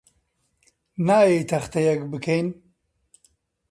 نایەی تەختەیەک بکەین؟